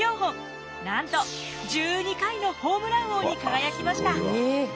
なんと１２回のホームラン王に輝きました。